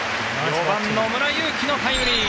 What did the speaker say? ４番、野村佑希のタイムリー。